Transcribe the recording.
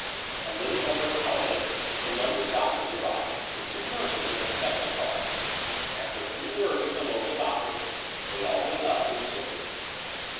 A little over an hour later the London doctors arrived, with two nurses in a second car ; and, after a few words with the local doctors, they all went up to the sick room.